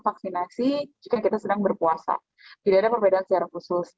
vaksinasi jika kita sedang berpuasa tidak ada perbedaan secara khusus